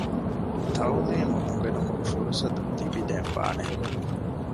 ތަޢުލީމު އުނގެނުމުގެ ފުރުޞަތު ލިބިދޭން ވާނެ